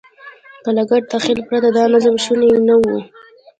له ګډ تخیل پرته دا نظم شونی نه و.